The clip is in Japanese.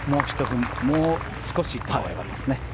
もう少し行ったほうがよかったですね。